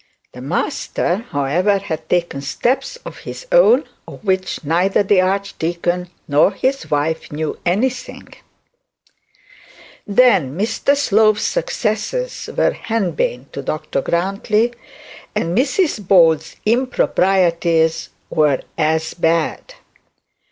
The Master, however, had taken steps of his own, of which neither the archdeacon nor his wife knew anything. 'Then Mr Slope's successes were henbane to Dr Grantly; and Mrs Bold's improprieties were as bad.